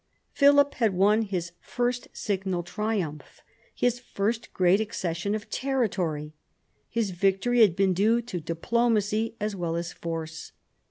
Philip had won his first signal triumph, his first great accession of territory. His victory had been due to diplomacy as well as force.